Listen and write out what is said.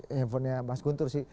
handphonenya mas guntur sih